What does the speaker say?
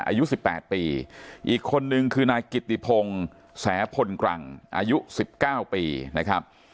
อายุ๑๘ปีอีกคนนึงคือนายกิติพงศ์แสพลกรังอายุ๑๙ปีนะครับ